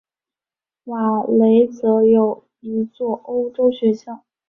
瓦雷泽有一座欧洲学校。